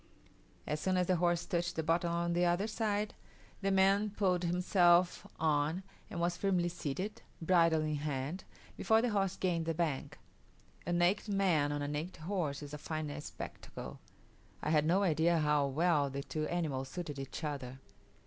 As soon as the horse touched the bottom on the other side, the man pulled himself on, and was firmly seated, bridle in hand, before the horse gained the bank. A naked man on a naked horse is a fine spectacle; I had no idea how well the two animals suited each other.